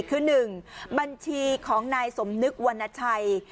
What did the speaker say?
คือหนึ่งบัญชีของนายสมนึกวันนัชชัย